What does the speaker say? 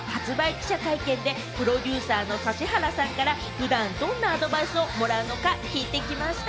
記者会見で、プロデューサーの指原さんから普段、どんなアドバイスをもらうのか聞いてきました。